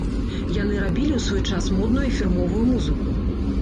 Яны рабілі ў свой час модную і фірмовую музыку.